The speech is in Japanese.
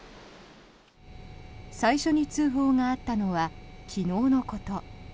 最初に通報があったのは昨日のこと。